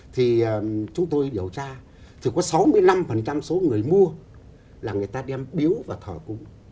thì chúng tôi điều tra thì có sáu mươi năm số người mua là người ta đem biếu và thở cúng